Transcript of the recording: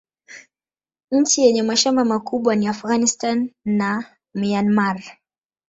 Nchi yenye mashamba makubwa ni Afghanistan na Myanmar.